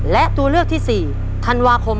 และตัวเลือกที่๔ธันวาคม